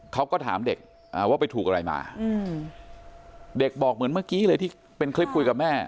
เขาก็ถามเด็กว่าไปถูกอะไรมาเด็กบอกเหมือนเมื่อกี้เลยที่เป็นคลิปคุยกับแม่